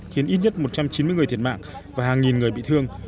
khiến ít nhất một trăm chín mươi người thiệt mạng và hàng nghìn người bị thương